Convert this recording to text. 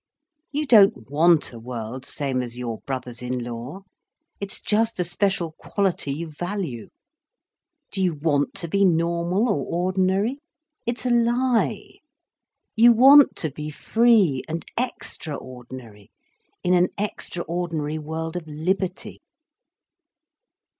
You don't want a world same as your brothers in law. It's just the special quality you value. Do you want to be normal or ordinary! It's a lie. You want to be free and extraordinary, in an extraordinary world of liberty."